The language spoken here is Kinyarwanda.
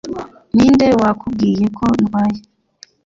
ninde wakubwiye ko ndwaye